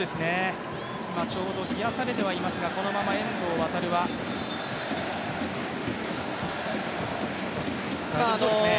冷やされてはいますが、このまま遠藤航は大丈夫そうですね。